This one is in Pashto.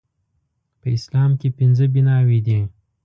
په اسلام کې پنځه بناوې دي